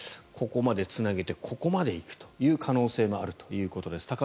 ここまでつなげてここまで行くという可能性もあるということです。